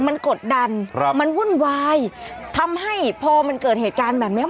มันกดดันครับมันวุ่นวายทำให้พอมันเกิดเหตุการณ์แบบเนี้ย